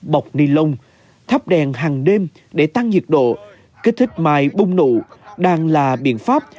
bọc nilon thắp đèn hàng đêm để tăng nhiệt độ kết thích mai bung nụ đang là biện pháp